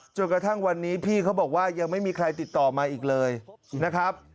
จนกระทั่งวันนี้พี่เขาบอกว่ายังไม่มีใครติดต่อมาอีกเลยนะครับ